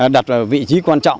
đặt vào vị trí quan trọng